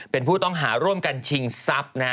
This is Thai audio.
เป็นผู้ต้องหาร่วมกันชิงทรัพย์นะฮะ